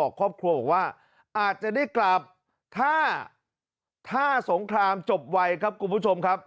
บอกครอบครัวบอกว่าอาจจะได้กลับถ้าถ้าสงครามจบไวครับคุณผู้ชมครับ